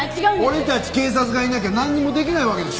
俺たち警察がいなきゃなんにもできないわけでしょ？